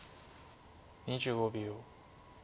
２５秒。